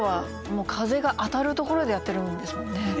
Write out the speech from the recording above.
もう風が当たる所でやってるんですもんね。